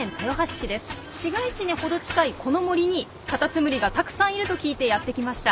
市街地に程近いこの森にカタツムリがたくさんいると聞いてやってきました。